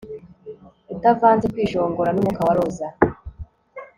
Utavanze kwishongora numwuka wa roza